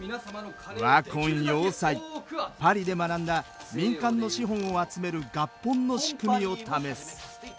パリで学んだ民間の資本を集める合本の仕組みを試す。